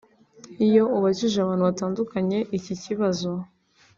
Iyo ubajije abantu batandukanye iki kibazo